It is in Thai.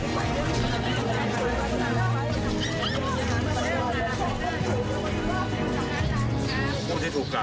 สวัสดีครับ